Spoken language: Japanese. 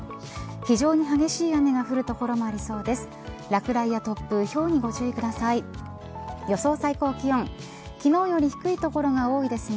非常に激しい雨が降る所もありそうです。